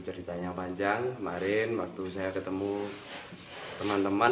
ceritanya panjang kemarin waktu saya ketemu teman teman